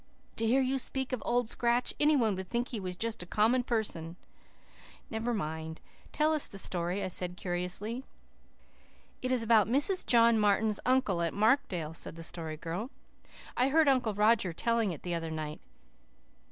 "To hear you speak of the Old Scratch any one would think he was just a common person." "Never mind. Tell us the story," I said curiously. "It is about Mrs. John Martin's uncle at Markdale," said the Story Girl. "I heard Uncle Roger telling it the other night.